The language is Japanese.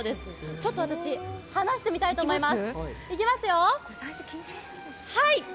ちょっと私、離してみたいと思います、はいっ。